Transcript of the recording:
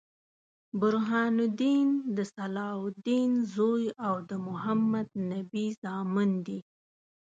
برهان الدين د صلاح الدین زوي او د محمدنبي زامن دي.